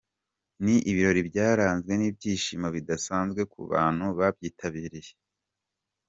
Ni ibirori byaranzwe n'ibyishimo bidasanzwe ku bantu babyitabiriye.